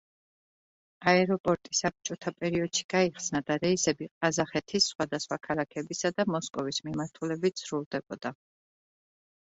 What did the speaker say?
აეროპორტი საბჭოთა პერიოდში გაიხსნა და რეისები ყაზახეთის სხვადასხვა ქალაქებისა და მოსკოვის მიმართულებით სრულდებოდა.